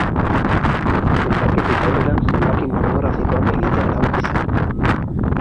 Zenbakitik aurrera zenbaki monografikoak egitea erabaki zen.